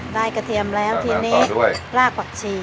กระเทียมแล้วทีนี้รากผักชี